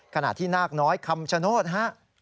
ขณะที่นาคน้อยคำชโนธฮะ